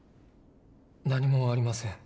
何もありません。